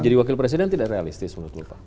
jadi wakil presiden tidak realistis menurut bapak